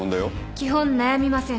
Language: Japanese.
基本悩みません。